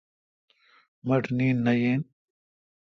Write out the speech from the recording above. م ٹھ نیند نہ یین۔